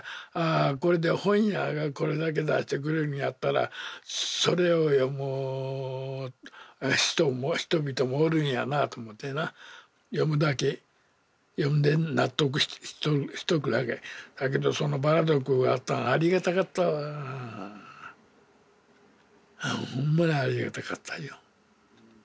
これで本屋がこれだけ出してくれるんやったらそれを読む人々もおるんやなと思ってな読むだけ読んで納得しとくだけだけどその「薔薇族」があったんありがたかったわほんまにありがたかったんよ